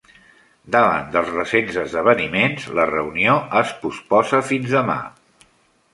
Davant dels recents esdeveniments, la reunió es postposa fins demà.